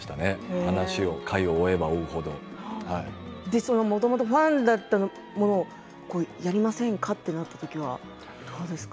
話を回を追えば追うほどもともとファンだったものをやりませんか？となったときはどうですか。